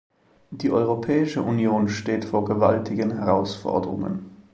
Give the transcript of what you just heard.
Die Europäische Union steht vor gewaltigen Herausforderungen.